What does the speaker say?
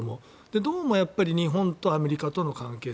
どうもやっぱり日本とアメリカとの関係性